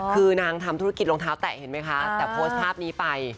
คือนางทำธุรกิจรองเท้าแตะเห็นไหมคะแต่โพสต์ภาพนี้ไป